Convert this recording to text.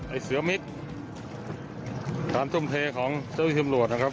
ไอ้เสือมิกทานทุ่มเทของเจ้าพิธีมรวจนะครับ